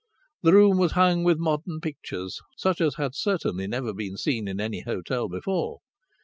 The room was hung with modern pictures, such as had certainly never been seen in any hotel before.